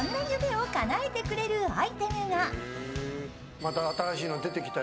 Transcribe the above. また新しいの出てきたよ。